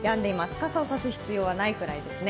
傘を差す必要はないくらいですね。